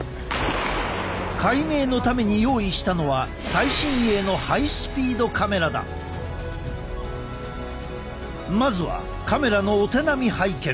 解明のために用意したのはまずはカメラのお手並み拝見。